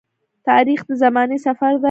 تاریخ د زمانې سفر دی.